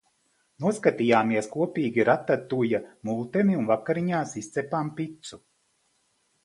Noskatījāmies kopīgi Ratatuja multeni un vakariņās izcepām picu.